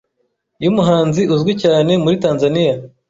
y’umuhanzi uzwi cyane muri Tanzaniya